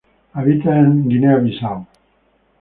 Habita en Guinea-Bissau.